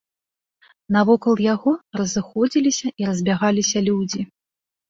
Навокал яго разыходзіліся і разбягаліся людзі.